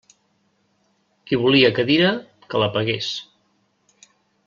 Qui volia cadira, que la pagués.